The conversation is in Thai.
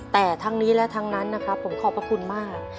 แต่ทั้งนี้และทั้งนั้นนะครับผมขอบพระคุณมาก